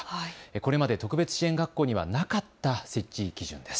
これまで特別支援学校にはなかった設置基準です。